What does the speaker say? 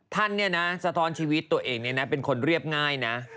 ท่านเนี่ยนะสะท้อนชีวิตตัวเองเป็นคนเรียบง่ายนะ